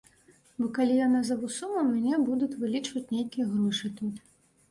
Бо калі я назаву суму, у мяне будуць вылічваць нейкія грошы тут.